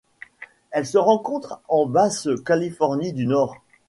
Elle se rencontre en Basse-Californie du Nord.